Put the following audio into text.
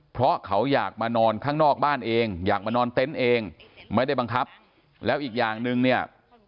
เพราะเขาอยากมานอนข้างนอกบ้านเองอยากมานอนเต็นต์เองไม่ได้บังคับแล้วอีกอย่างหนึ่งเนี่ย